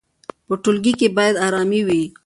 په ټولګي کې باید ارامي وي.